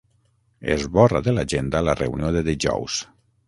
Esborra de l'agenda la reunió de dijous.